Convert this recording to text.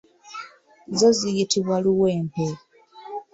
Zo ziyitibwa luwempe.